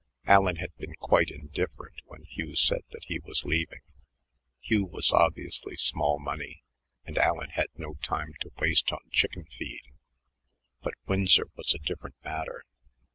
Allen had been quite indifferent when Hugh said that he was leaving. Hugh was obviously small money, and Allen had no time to waste on chicken feed, but Winsor was a different matter.